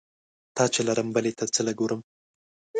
تا چې لرم بلې ته څه له ګورم؟